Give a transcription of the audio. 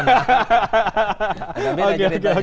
agak beda ceritanya